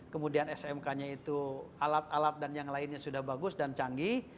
kemudian smk nya itu alat alat dan yang lainnya sudah bagus dan canggih